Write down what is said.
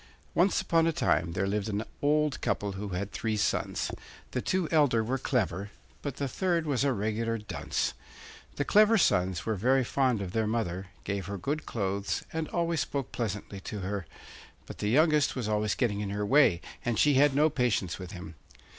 Once upon a time there lived an old couple who had three sons; the two elder were clever, but the third was a regular dunce. The clever sons were very fond of their mother, gave her good clothes, and always spoke pleasantly to her; but the youngest was always getting in her way, and she had no patience with him.